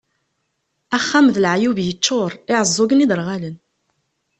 Axxam d leɛyub yeččur, iɛeẓẓugen, iderɣalen.